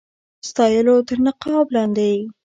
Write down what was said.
ستایلو تر نقاب لاندي.